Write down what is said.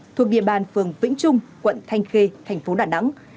thuộc địa bàn phường vĩnh trung quận thanh khê thành phố đà nẵng